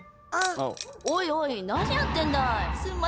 おいおい何やってんだい！